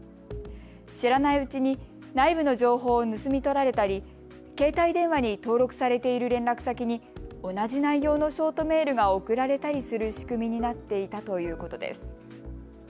知らないうちに内部の情報を盗み取られたり携帯電話に登録されている連絡先に同じ内容のショートメールが送られたりする仕組みになっていたということです。